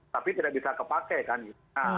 tapi tidak bisa terpakai